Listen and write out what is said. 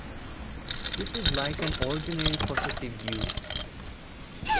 This is like an ordinary possessive use.